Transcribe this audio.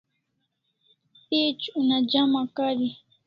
Page una jama kari